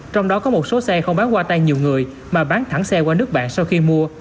trong đó có một số xe không bán qua tay nhiều người mà bán thẳng xe qua nước bạn sau khi mua